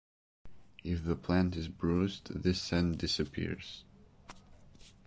If the plant is bruised this scent disappears.